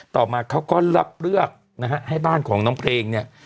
ต่อมาเขาก็รับเลือกนะฮะให้บ้านของน้องเพลงเนี่ย